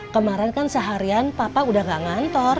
kemarin kan seharian papa udah gak ngantor